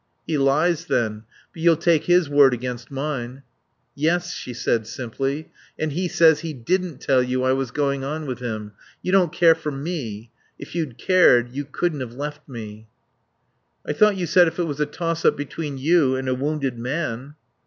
"He lies, then. But you'll take his word against mine." "Yes," she said simply. "And he says he didn't tell you I was going on with him. You don't care for me. If you'd cared you couldn't have left me." "I thought you said if it was a toss up between you and a wounded man